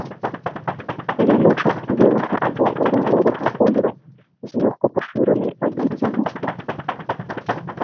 Вяночак белага або ружовага колеру, злёгку пашыраны паблізу вусця.